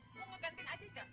mau ngegantin aja aja